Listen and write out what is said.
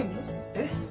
えっ？